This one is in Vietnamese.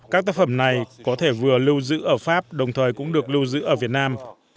các tác phẩm này có thể vừa lưu giữ ở pháp đồng thời cũng được lưu giữ ở việt nam